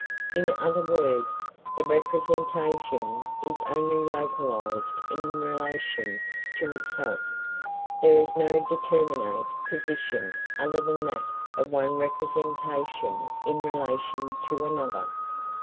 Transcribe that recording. In other words, the representation is only localised in relation to itself; there is no determinate position other than that of one representation in relation to another.